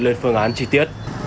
lên phương án chi tiết